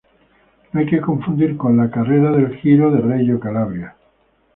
No hay que confundir con la carrera del Giro de Reggio Calabria.